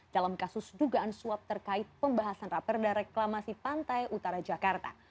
dalam kasus dugaan suap terkait pembahasan raperda reklamasi pantai utara jakarta